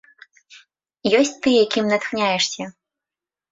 Ёсць тыя, кім натхняешся?